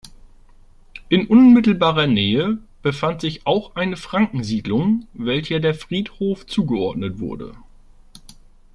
In unmittelbarer Nähe befand sich auch eine Franken-Siedlung, welcher der Friedhof zugeordnet wurde.